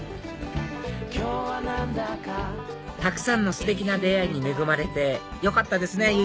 たくさんのステキな出会いに恵まれてよかったですね！